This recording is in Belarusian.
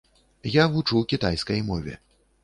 Я вучу кітайскай мове.